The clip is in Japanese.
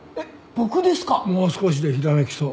もう少しでひらめきそう。